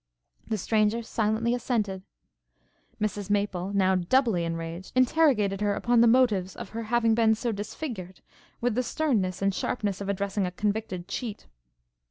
The stranger silently assented. Mrs Maple, now, doubly enraged, interrogated her upon the motives of her having been so disfigured, with the sternness and sharpness of addressing a convicted cheat.